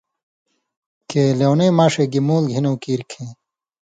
کہ لیونَیں ماݜے گی مُول گھِنؤں کیر کھیں۔